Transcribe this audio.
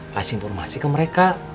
kasih informasi ke mereka